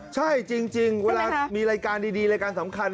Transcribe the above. ใช่จริงเวลามีรายการดีรายการสำคัญ